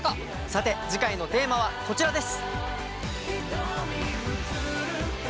さて次回のテーマはこちらです。